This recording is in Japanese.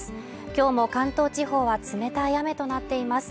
今日も関東地方は冷たい雨となっています